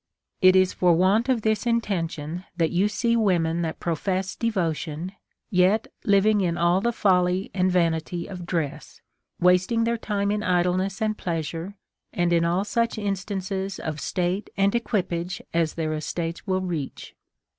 It is for want of this intention that you see women that profess devotion, yet living in all the folly and vanity of dress, wasting their time in idleness and pleasure, and in all such instances of state and equi page as their estates will reach.